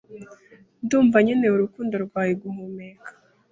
Ndumva nkeneye urukundo rwawe guhumeka!